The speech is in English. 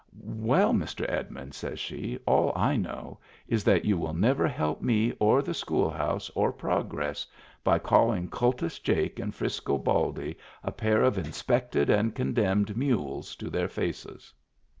"Well, Mr. Edmund," says she, "all I know is that you will never help me, or the school house, or progress, by calling Kultus Jake and Frisco Baldy a pair of inspected and condemned mules to their faces."